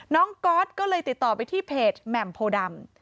ก๊อตก็เลยติดต่อไปที่เพจแหม่มโพดำ